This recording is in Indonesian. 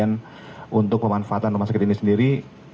nantinya apakah akan jadi alternatif untuk pemanfaatan rumah sakit ini sendiri